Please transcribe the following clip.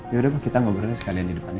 yaudah pak kita ngobrolnya sekalian di depannya